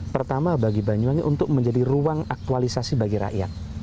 pertama bagi banyuwangi untuk menjadi ruang aktualisasi bagi rakyat